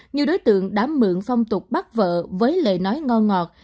nhiều đối tượng đã mượn phong tục bắt vợ với lời nói ngon ngọt